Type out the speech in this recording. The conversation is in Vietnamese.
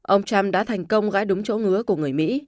ông trump đã thành công gái đúng chỗ ngứa của người mỹ